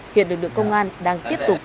hiện lực lượng công an đang tiếp tục